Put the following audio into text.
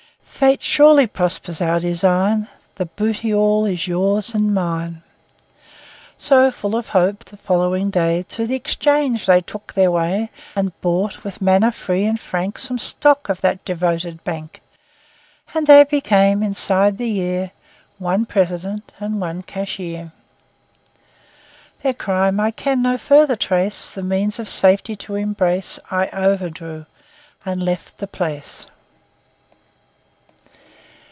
Fate surely prospers our design The booty all is yours and mine." So, full of hope, the following day To the exchange they took their way And bought, with manner free and frank, Some stock of that devoted bank; And they became, inside the year, One President and one Cashier. Their crime I can no further trace The means of safety to embrace, I overdrew and left the place.